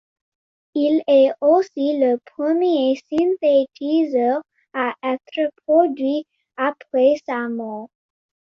Il est aussi le premier synthétiseur à être produit après sa mort.